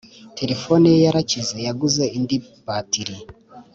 Telefone ye yarakize yaguze indi batiri